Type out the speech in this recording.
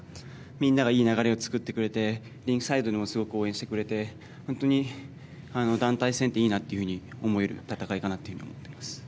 みんながいい流れを作ってくれてリンクサイドでも応援してくれて本当に団体戦っていいなと思える戦いかなと思っています。